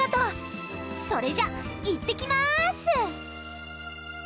それじゃいってきます！